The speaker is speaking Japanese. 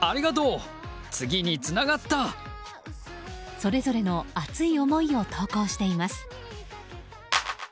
それぞれの熱い思いを投稿しています。